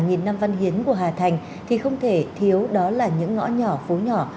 nghìn năm văn hiến của hà thành thì không thể thiếu đó là những ngõ nhỏ phố nhỏ